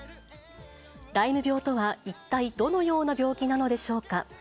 ライム病とは一体どのような病気なのでしょうか。